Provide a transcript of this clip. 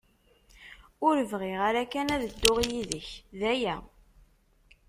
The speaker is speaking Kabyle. Ur bɣiɣ ara kan ad dduɣ yid-k, d aya.